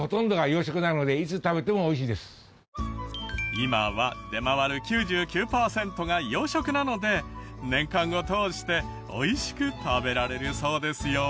今は出回る９９パーセントが養殖なので年間を通して美味しく食べられるそうですよ。